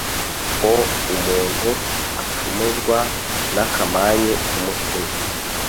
o umuntu acumuzwa n’akamanyu k’umutsima